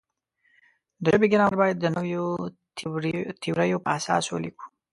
د ژبې ګرامر باید د نویو تیوریو پر اساس ولیکو.